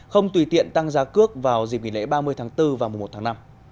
không tùy tiện tăng giá cước vào dịp nghỉ lễ ba mươi tháng bốn và mùa một tháng năm